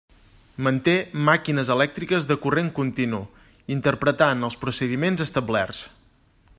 Manté màquines elèctriques de corrent continu, interpretant els procediments establerts.